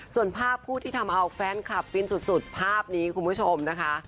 ส่วนภาพคู่ที่ทำเอาแฟนคลับฟินสุดภาพนี้คุณผู้ชมนะคะ